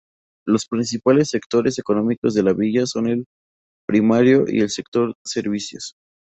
Los principales sectores económicos de la villa son el primario y el sector servicios.